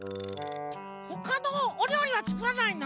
ほかのおりょうりはつくらないの？